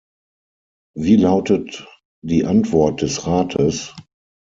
Wie lautet die Antwort des Rates?